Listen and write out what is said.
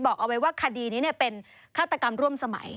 บอกเอาไว้ว่าคดีนี้เป็นฆาตกรรมร่วมสมัย